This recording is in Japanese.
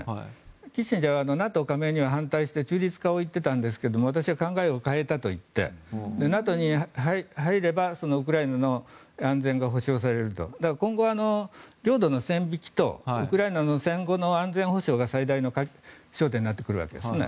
キッシンジャーはＮＡＴＯ加盟には反対して中立化を言っていたんですが私は考えを変えたと言ってＮＡＴＯに入ればウクライナの安全が保証されるとだから今後は領土の線引きとウクライナの戦後の安全保障が最大の焦点になってくるわけですね。